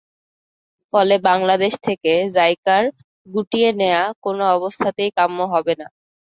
ফলে বাংলাদেশ থেকে জাইকার গুটিয়ে নেওয়া কোনো অবস্থাতেই কাম্য হবে না।